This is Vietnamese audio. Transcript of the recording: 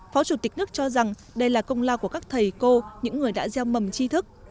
phó chủ tịch nước cho rằng đây là công lao của các thầy cô những người đã gieo mầm chi thức